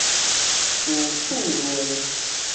朱厝崙